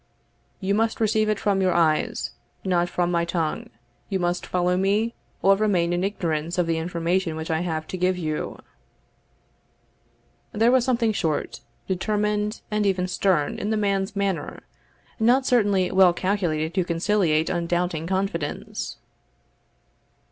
"You must receive it from your eyes, not from my tongue you must follow me, or remain in ignorance of the information which I have to give you." There was something short, determined, and even stern, in the man's manner, not certainly well calculated to conciliate undoubting confidence.